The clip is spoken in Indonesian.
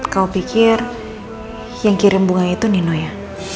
kau pikir yang kirim bunga itu nino ya